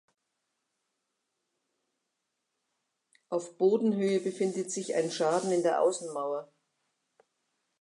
Auf Bodenhöhe befindet sich ein Schaden in der Außenmauer.